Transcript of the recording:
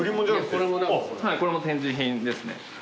これも展示品ですね。